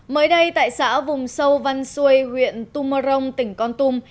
mới đây tại xã vùng sâu văn xuôi huyện tumorong tỉnh con tum